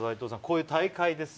こういう大会です。